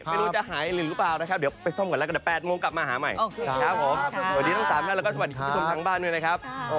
ไม่รู้จะหายหรือเปล่า